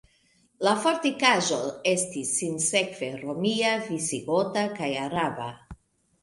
La fortikaĵo estis sinsekve romia, visigota kaj araba.